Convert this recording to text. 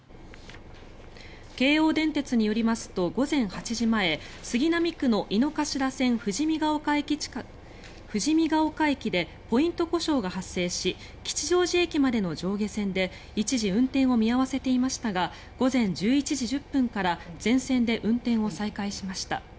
京王電鉄によりますと午前８時前杉並区の井の頭線富士見ヶ丘駅でポイント故障が発生し吉祥寺駅までの上下線で一時運転を見合わせていましたが午前１１時１０分から全線で運転を再開しました。